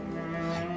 はい！